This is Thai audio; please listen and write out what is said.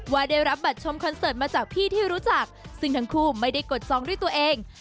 ว่าได้รับบัตรชมคอนเสิร์ตมาจากพี่ที่รู้จักซึ่งทั้งคู่ไม่ได้กดจองด้วยตัวเอง